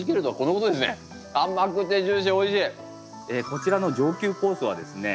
こちらの上級コースはですね